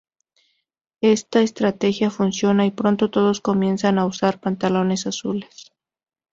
Ésta estrategia funciona, y pronto todos comienzan a usar pantalones azules.